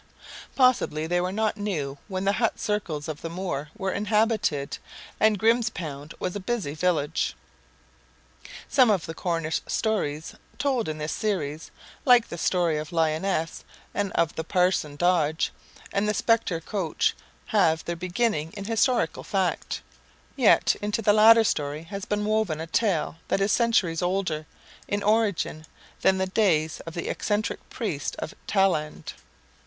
Possibly they were not new when the hut circles of the Moor were inhabited and Grimspound was a busy village. Some of the Cornish stories told in this series, like the story of Lyonesse and of Parson Dodge and the Spectre Coach, have their beginning in historical fact; yet into the latter story has been woven a tale that is centuries older, in origin, than the days of the eccentric priest of Talland.